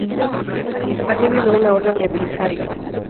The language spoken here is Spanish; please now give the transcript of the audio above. Así violó una orden de Belisario.